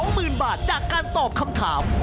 หมื่นบาทจากการตอบคำถาม